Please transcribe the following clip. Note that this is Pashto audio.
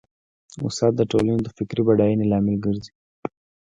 استاد د ټولنې د فکري بډاینې لامل ګرځي.